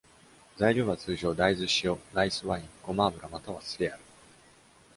材料は通常、大豆、塩、ライスワイン、ゴマ油または酢である。